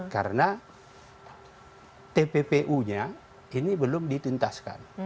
karena tppu nya ini belum ditintaskan